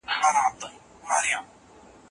دغه کڅوڼه په رښتیا ډېره درنه وه.